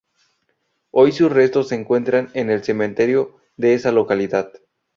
Hoy sus restos se encuentran en el cementerio de esa localidad.